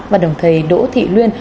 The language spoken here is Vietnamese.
và đồng thầy đỗ thị luyên